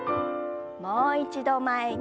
もう一度前に。